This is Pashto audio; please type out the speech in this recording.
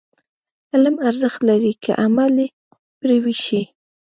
علم ارزښت لري، که عمل پرې وشي.